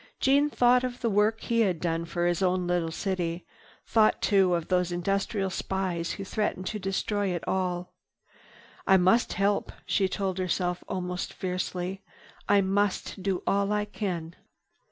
Jeanne thought of the work he had done for his own little city, thought too of those industrial spies who threatened to destroy it all. "I must help," she told herself almost fiercely. "I must do all I can.